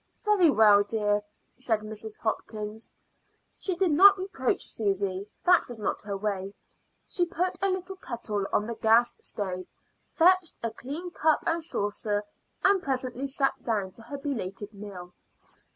"Very well, dear," said Mrs. Hopkins. She did not reproach Susy; that was not her way. She put a little kettle on the gas stove, fetched a clean cup and saucer, and presently sat down to her belated meal.